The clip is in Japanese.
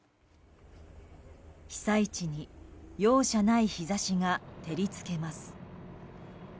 被災地に容赦ない日差しが照り付けます。